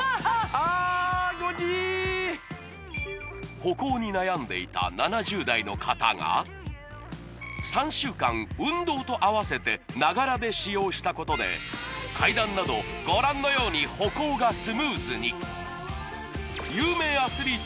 歩行に悩んでいた７０代の方が３週間運動とあわせて「ながら」で使用したことで階段などご覧のように歩行がスムーズに！